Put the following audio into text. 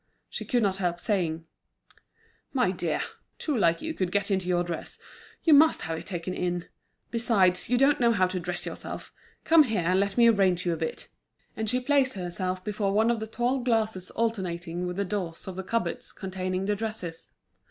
She could not help saying: "My dear, two like you could get into your dress; you must have it taken in. Besides, you don't know how to dress yourself. Come here and let me arrange you a bit." And she placed herself before one of the tall glasses alternating with the doors of the cupboards containing the dresses.